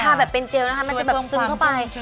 แบบเป็นเจลนะคะมันจะแบบซึ้งเข้าไป